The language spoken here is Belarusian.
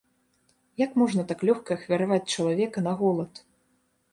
Як можна так лёгка ахвяраваць чалавека на голад?